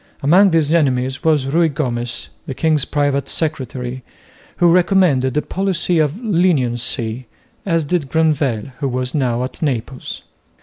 Among these enemies was Ruy Gomez, the king's private secretary, who recommended a policy of leniency, as did Granvelle, who was now at Naples.